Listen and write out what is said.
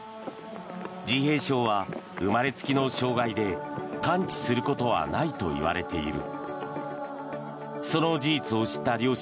自閉症は生まれつきの障害で完治することはないといわれている。